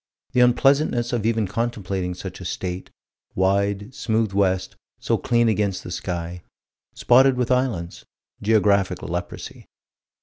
The unpleasantness of even contemplating such a state wide, smooth west, so clean against the sky spotted with islands geographic leprosy.